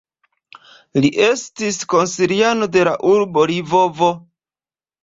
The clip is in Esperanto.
Li estis konsiliano de la urbo Lvovo.